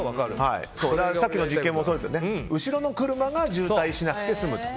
さっきの実験もそうでしたが後ろの車が渋滞しないで済むと。